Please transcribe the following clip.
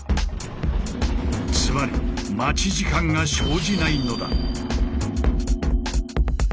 つまり待ち時間が生じないのだ。